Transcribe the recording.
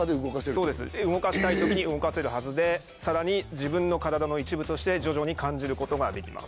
そうです動かしたい時に動かせるはずでさらに自分の体の一部として徐々に感じることができます。